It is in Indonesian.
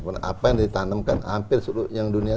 karena apa yang ditanamkan hampir seluruh dunia